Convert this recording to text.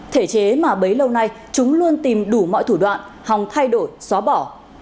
thể chế mà bấy lâu nay chúng luôn tìm đủ mọi thủ đoạn hòng thay đổi xóa bỏ